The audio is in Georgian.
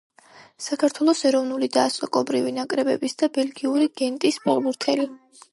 საქართველოს ეროვნული და ასაკობრივი ნაკრებების და ბელგიური გენტის ფეხბურთელი.